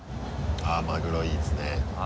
あっマグロいいですね。